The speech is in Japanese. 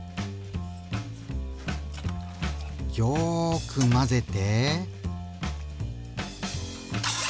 よく混ぜて。